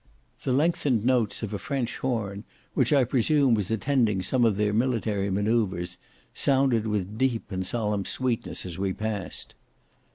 The lengthened notes of a French horn, which I presume was attending some of their military manoeuvres, sounded with deep and solemn sweetness as we passed.